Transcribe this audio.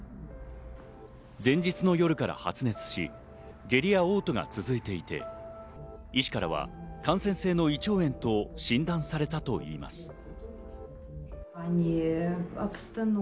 前日の夜から発熱し、下痢や嘔吐が続いていて、医師からは感染性の胃腸炎と診断されたといいます。